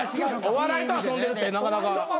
「お笑いと遊んでる」ってなかなか。